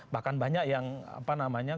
bahkan banyak yang apa namanya